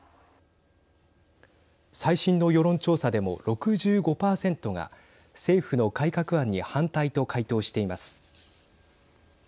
最新の世論調査でも６５％が政府の改革案に反対と回答しています。